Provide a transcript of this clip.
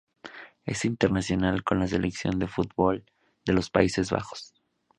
Es internacional con la selección de fútbol de los Países Bajos.